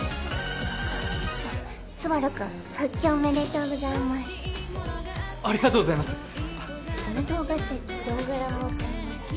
スバルくん復帰おめでとうございますありがとうございますその動画ってどんぐらいもうかりました？